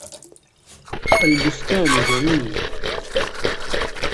الْبُسْتَانُ جَمِيلٌ.